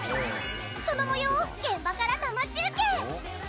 その模様を現場から生中継！